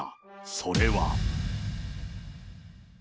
それは。